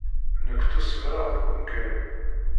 Nekk ttusemreɣ deg umkan-iw.